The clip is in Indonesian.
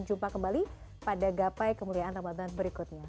jumpa kembali pada gapai kemuliaan ramadhan berikutnya